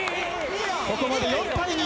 ここまで４対２。